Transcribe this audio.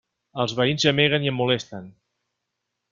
Els veïns gemeguen i em molesten.